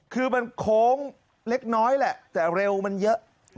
คือมันโค้งเล็กน้อยแหละแต่เร็วมันเยอะ